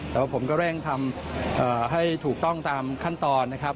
แต่ว่าผมก็เร่งทำให้ถูกต้องตามขั้นตอนนะครับ